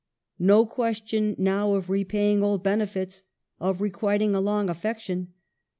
No question now of repay ing old benefits, of requiting a long affection.